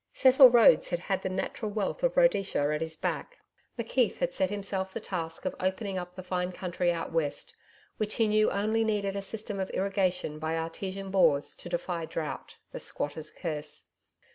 Cecil Rhodes had had the natural wealth of Rhodesia at his back. McKeith had set himself the task of opening up the fine country out West, which he knew only needed a system of irrigation by Artesian Bores to defy drought, the squatters curse.